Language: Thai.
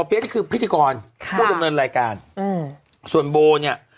เปี้๊ะนี่คือพิธีกรครับผู้ดังเนินรายการอืมส่วนโบเนี้ย